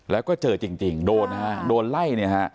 แล้วก็เจอกันจริงโดนไล่